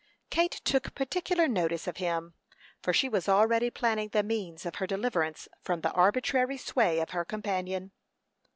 Kate took particular notice of him, for she was already planning the means of her deliverance from the arbitrary sway of her companion.